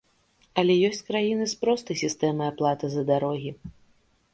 Але ёсць краіны з простай сістэмай аплаты за дарогі.